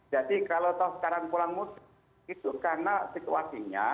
jadi kalau tahu sekarang pulang mudik itu karena situasinya